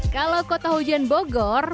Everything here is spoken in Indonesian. kalau kota hojian bogor